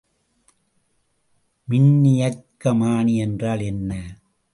மின்னியக்கமானி என்றால் என்ன?